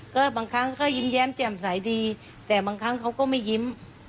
ก็บางครั้งก็ยิ้มแย้มแจ่มใสดีแต่บางครั้งเขาก็ไม่ยิ้ม